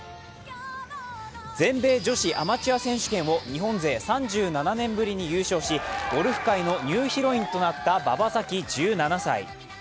全米女子アマチュア選手権を日本勢３７年ぶりに優勝し、ゴルフ界のニューヒロインとなった馬場咲希１７歳。